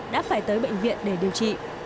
đã phải tới bệnh viện để điều trị